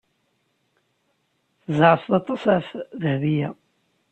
Tzeɛfeḍ aṭas ɣef Dahbiya.